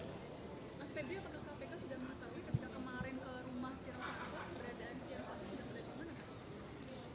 mas febri apakah kpk sudah mengetahui ketika kemarin rumah tira paku berada di tira paku sudah berada di mana